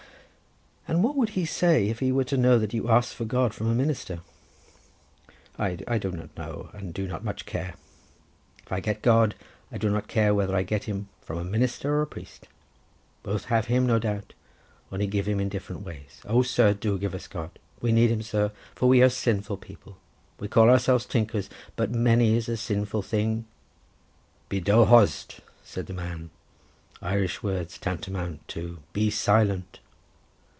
"And what would he say if he were to know that you asked for God from a minister?" "I do not know, and do not much care; if I get God, I do not care whether I get Him from a minister or a priest; both have Him, no doubt, only give Him in different ways. O sir, do give us God; we need Him, sir, for we are sinful people; we call ourselves tinkers, but many is the sinful thing—" "Bi do hosd," said the man: Irish words tantamount to "Be silent!"